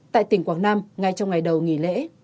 tại tỉnh quảng nam ngay trong ngày đầu nghỉ lễ